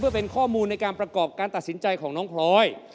เป็นข้อมูลในการประกอบการตัดสินใจของน้องพลอย